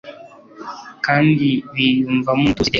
kandi biyumvamo umutuzo iteka